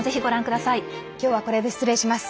今日は、これで失礼します。